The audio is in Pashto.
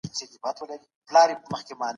واکمنان بايد د ولس د غوښتنو درناوی وکړي.